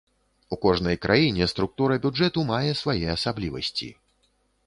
У кожнай краіне структура бюджэту мае свае асаблівасці.